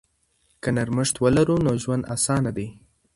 که نرمښت ولرو نو ژوند اسانه دی.